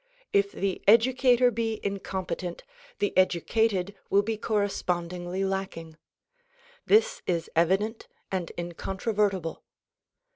If the educator be incompetent the educated will be correspondingly lacking. This is evident and incontrovertible.